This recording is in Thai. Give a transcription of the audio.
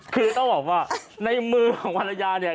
คือต้องบอกว่าในมือของภรรยาเนี่ย